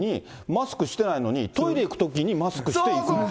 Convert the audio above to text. マスクしてないのに、トイレ行くときにマスクして行くって。